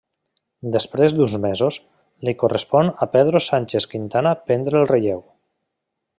Després d'uns mesos, li correspon a Pedro Sánchez Quintana prendre el relleu.